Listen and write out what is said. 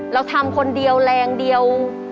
เราทำคนเดียวแรงเดียว